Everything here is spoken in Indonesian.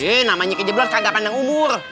nih namanya kejeblos karena dia pandang umur